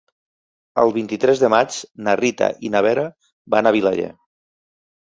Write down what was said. El vint-i-tres de maig na Rita i na Vera van a Vilaller.